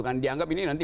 karena dianggap ini nanti